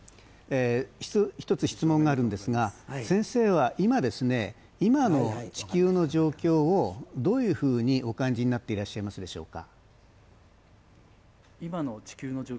１つ質問があるのですが、先生は今の地球の状況をどういうふうにお感じになっていらっしゃいますでしょうか。